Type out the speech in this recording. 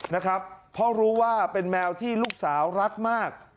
นะครับเพราะรู้ว่าเป็นแมวที่ลูกสาวรักมาก